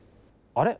あれ？